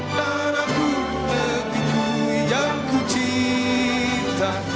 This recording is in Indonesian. tanahku negeriku yang ku cinta